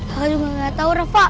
aku juga gak tau rafa